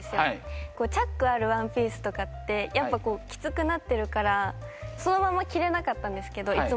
チャックあるワンピースとかってやっぱきつくなってるからそのまま着れなかったんですけどいつものワンピース。